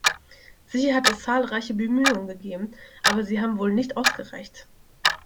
Sicher hat es zahlreiche Bemühungen gegeben, aber sie haben wohl nicht ausgereicht.